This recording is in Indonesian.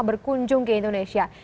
berkunjung ke indonesia